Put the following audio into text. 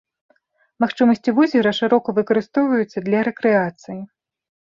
Магчымасці возера шырока выкарыстоўваюцца для рэкрэацыі.